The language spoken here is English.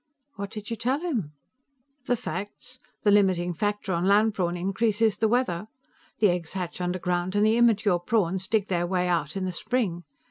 "What did you tell him?" "The facts. The limiting factor on land prawn increase is the weather. The eggs hatch underground and the immature prawns dig their way out in the spring.